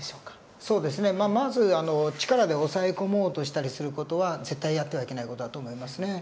そうですねまあまず力で押さえ込もうとしたりする事は絶対やってはいけない事だと思いますね。